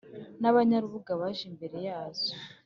n'abanyarubuga baje imbere yazo